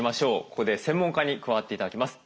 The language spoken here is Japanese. ここで専門家に加わって頂きます。